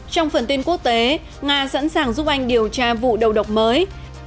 trong phần tin quốc tế nga sẵn sàng giúp anh điều tra vụ đầu độc mới